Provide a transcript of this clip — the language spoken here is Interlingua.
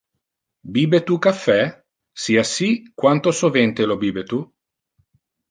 Bibe tu caffe? Si assi, quanto sovente lo bibe tu?